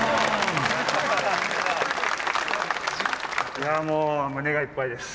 いやもう胸がいっぱいです